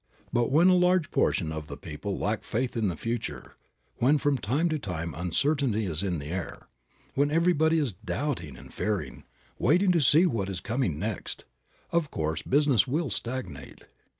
But when a large portion of the people lack faith in the future, when, from time to time, uncertainty is in the air, when everybody is doubting and fearing, waiting to see what is coming next, of course business will stagnate.